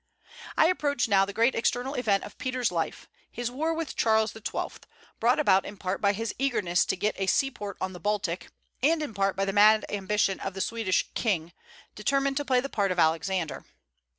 I approach now the great external event of Peter's life, his war with Charles XII., brought about in part by his eagerness to get a seaport on the Baltic, and in part by the mad ambition of the Swedish king, determined to play the part of Alexander.